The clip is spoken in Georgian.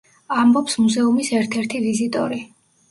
ამბობს მუზეუმის ერთ-ერთი ვიზიტორი.